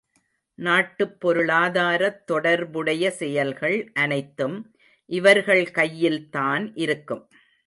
நாட்டுப் பொருளாதாரத்தொடர்புடைய செயல்கள் அனைத்தும் இவர்கள்கையில்தான் இருக்கும்.